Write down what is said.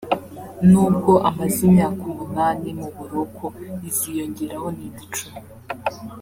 n’ubwo amaze imyaka umunani mu buroko iziyongeraho n’indi icumi